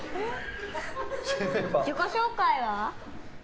自己紹介は？